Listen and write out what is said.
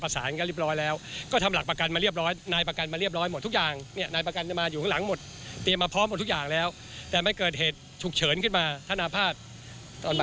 สาเหตุเพราะอาการอาภาษณ์ที่กำเริบขึ้นมากระทัน